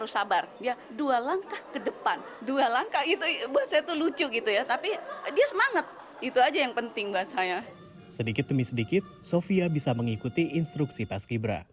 sedikit demi sedikit sofia bisa mengikuti instruksi paski bra